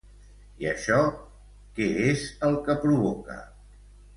I això, què és el que provoca?